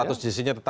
status jisinya tetap